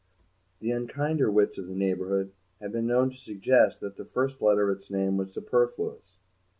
The unkinder wits of the neighbourhood had been known to suggest that the first letter of its name was superfluous.